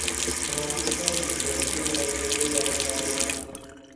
هەناسەی ساردی هەیە تێکرای رێژەی باران بارین